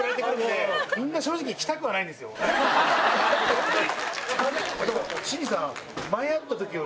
ホントに。